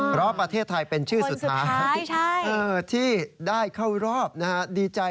เพราะประเทศไทยเป็นชื่อสุดท้ายที่ได้เข้ารอบดีใจ